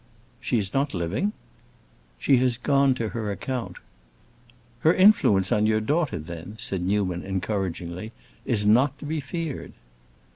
"She is not living?" "She has gone to her account." "Her influence on your daughter, then," said Newman encouragingly, "is not to be feared."